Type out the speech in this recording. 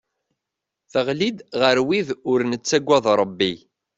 Teɣli-d ɣer wid ur nettagad Rebbi.